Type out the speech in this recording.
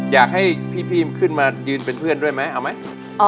อยากให้พี่ขึ้นมายืนเป็นเพื่อนด้วยไหมเอาไหม